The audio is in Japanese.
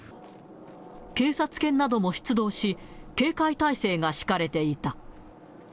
警察犬なども出動し、警戒態勢が敷かれていた。